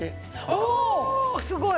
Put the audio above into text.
おすごい！